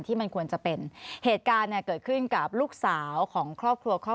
ที่มันควรจะเป็นเหตุการณ์เนี่ยเกิดขึ้นกับลูกสาวของครอบครัวครอบครัว